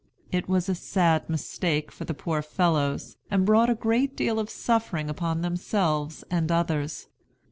It was a sad mistake for the poor fellows, and brought a great deal of suffering upon themselves and others.